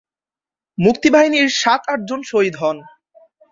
মুক্তিবাহিনীর সাত-আটজন শহীদ হন।